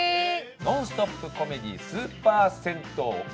ノンストップコメディースーパー銭湯ＬＩＶＥ